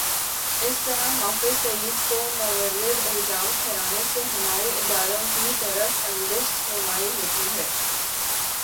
اس طرح حافظ سعید کو مورد الزام ٹھہرانے سے ہمارے اداروں کی طرف انگشت نمائی ہوتی ہے۔